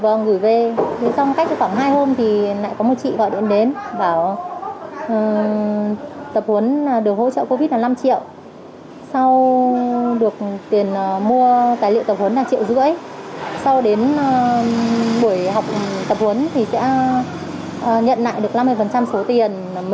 sau đến buổi học tập huấn thì sẽ nhận lại được năm mươi số tiền mình mua bộ hồ sơ và hỗ trợ tiền covid là hai triệu tiền ăn uống đi lại hai triệu nữa